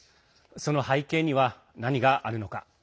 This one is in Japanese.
その背景には何があるのか。